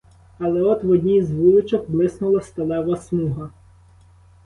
Але от в одній з вуличок блиснула сталева смуга.